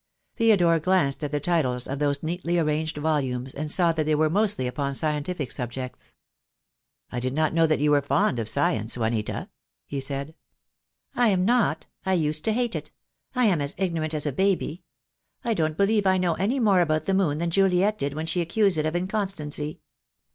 Theodore glanced at the titles of those neatly arranged volumes and saw that they were mostly upon scientific subjects. "I did not know that you were fond of science, Juanita?" he said. The Day will come. II, iS 274 THE DAY WILL COME. "I am not. I used to hate it. I am as ignorant as a baby. I don't believe I know any more about the moon than Juliet did when she accused it of inconstancy.